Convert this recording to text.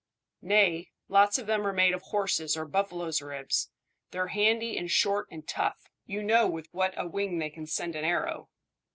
"Nay. Lots of them are made of horses' or buffaloes' ribs. They're handy and short and tough. You know with what a whing they can send an arrow."